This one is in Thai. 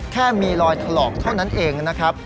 แค่มีรอยถลอกเท่านั้นเองนะครับ